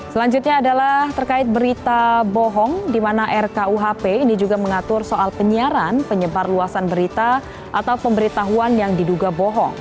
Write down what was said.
selanjutnya adalah terkait berita bohong di mana rkuhp ini juga mengatur soal penyiaran penyebar luasan berita atau pemberitahuan yang diduga bohong